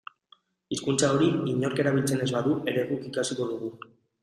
Hizkuntza hori inork erabiltzen ez badu ere guk ikasiko dugu.